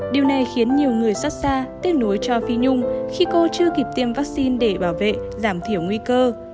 điều này khiến nhiều người xót xa kết nối cho phi nhung khi cô chưa kịp tiêm vaccine để bảo vệ giảm thiểu nguy cơ